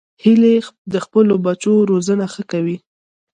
هیلۍ د خپلو بچو روزنه ښه کوي